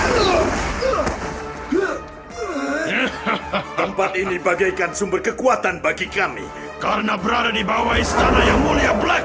halo tempat ini bagaikan sumber kekuatan bagi kami karena berada di bawah istana yang mulia